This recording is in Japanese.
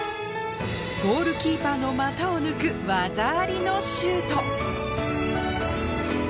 ゴールキーパーの股を抜く、技ありのシュート。